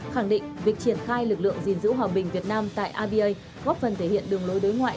khẳng định việc triển khai lực lượng gìn giữ hòa bình việt nam tại aba góp phần thể hiện đường lối đối ngoại